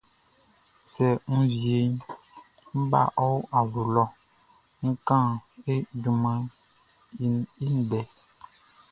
Sɛ n wieʼn ń bá ɔ awlo lɔ ń kán e junmanʼn i ndɛ.